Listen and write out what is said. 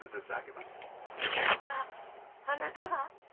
まさかあなたが。